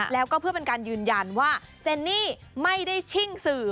แล้วก็เพื่อเป็นการยืนยันว่าเจนนี่ไม่ได้ชิ่งสื่อ